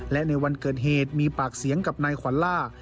และในวันเกิดเหตุมีปากเสียงกับนายขวัลล่า